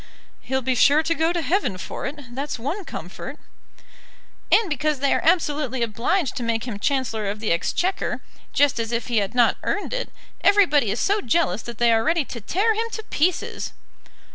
"He'll be sure to go to Heaven for it, that's one comfort." "And because they are absolutely obliged to make him Chancellor of the Exchequer, just as if he had not earned it, everybody is so jealous that they are ready to tear him to pieces!"